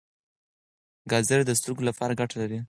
ګازرې د سترګو لپاره ګټه لري.